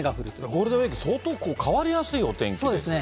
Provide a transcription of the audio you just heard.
ゴールデンウィーク、相当変わりやすいお天気なんですね。